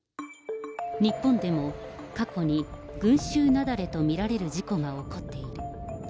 日本でも、過去に群集雪崩と見られる事故が起こっている。